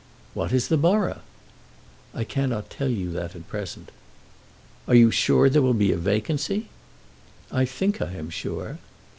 "What is the borough?" "I cannot tell you that at present." "Are you sure there will be a vacancy?" "I think I am sure."